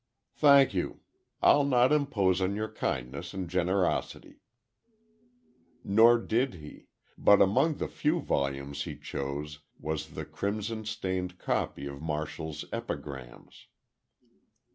"Thank you, I'll not impose on your kindness and generosity." Nor did he, but among the few volumes he chose was the crimson stained copy of Martial's Epigrams.